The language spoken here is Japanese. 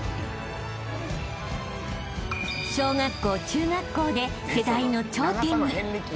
［小学校中学校で世代の頂点に］